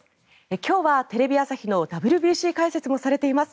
今日はテレビ朝日のＷＢＣ解説もされています